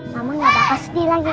mama gak akan sedih lagi